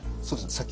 そうですね。